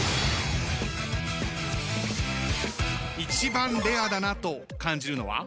一番レアだなと感じるのは？